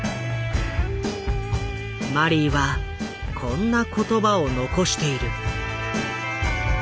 マリーはこんな言葉を残している。